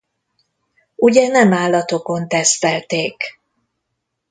Ugye nem állatokon tesztelték?